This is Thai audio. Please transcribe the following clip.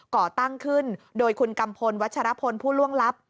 ก่อตั้งขึ้นโดยคุณกัมพลวัชรพลผู้ล่วงลับ